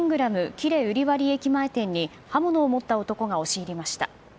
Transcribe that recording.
喜連瓜破駅前店に刃物を持った男が押し入りました。